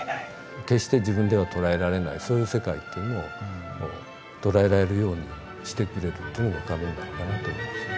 決して自分では捉えられないそういう世界っていうのを捉えられるようにしてくれるっていうのが仮面なのかなと思います。